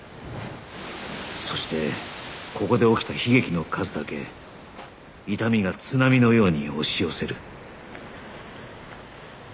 そしてここで起きた悲劇の数だけ痛みが津波のように押し寄せる